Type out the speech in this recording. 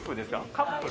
カップル？